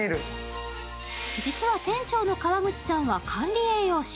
実は店長の川口さんは管理栄養士。